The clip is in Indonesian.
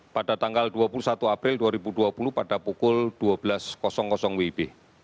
pada tanggal dua puluh satu april dua ribu dua puluh pada pukul dua belas wib